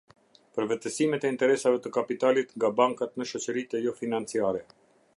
Përvetësimet e interesave të kapitalit nga bankat në shoqëritë jofinanciare.